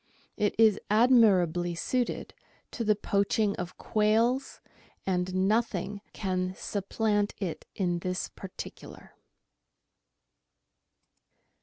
It is admirably suited to the poaching of quails, and nothing can supplant it in this particular.